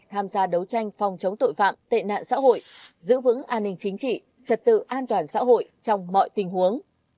tham gia đấu tranh phòng chống tội phạm tệ nạn xã hội giữ vững an ninh chính trị trật tự an toàn xã hội trong mọi tình huống